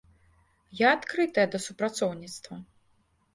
Я адкрытая да супрацоўніцтва.